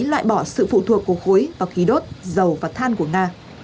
loại bỏ sự phụ thuộc của khối và khí đốt dầu và than của nga